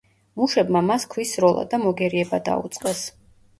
მუშებმა მას ქვის სროლა და მოგერიება დაუწყეს.